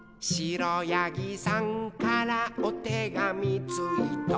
「くろやぎさんからおてがみついた」